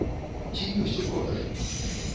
Ці ёсць у продажы?